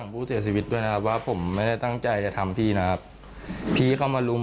ผู้เสียชีวิตด้วยนะครับว่าผมไม่ได้ตั้งใจจะทำพี่นะครับพี่เข้ามารุม